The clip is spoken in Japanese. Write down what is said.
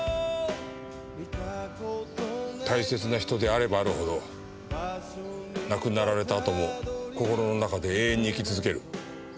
大切な人であればあるほど亡くなられたあとも心の中で永遠に生き続ける。